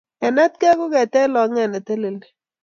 kenetkei ko ketech longet neteleli